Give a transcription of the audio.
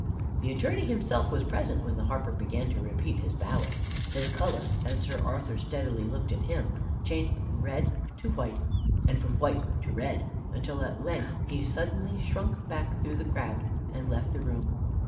The Attorney himself was present when the harper began to repeat his ballad. His color, as Sir Arthur steadily looked at him, changed from red to white, and from white to red, until at length he suddenly shrunk back through the crowd and left the room.